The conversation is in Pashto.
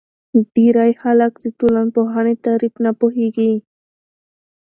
ډېری خلک د ټولنپوهنې تعریف نه پوهیږي.